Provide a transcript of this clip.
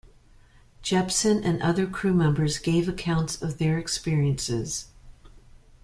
Jeppson and other crew members gave accounts of their experiences.